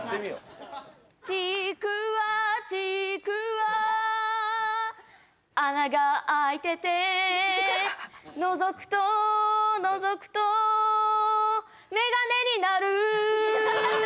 ちくわちくわ穴があいててのぞくとのぞくと眼鏡になる！